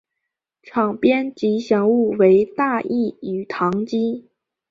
场边吉祥物为大义与唐基。